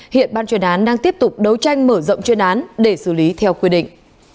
hiện ban chuyên án đang tiếp tục đấu tranh mở rộng chuyên án để xử lý theo quy định